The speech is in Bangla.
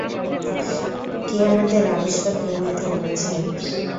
কে আমাদের আবিষ্কারকে মিথ্যা বলেছে?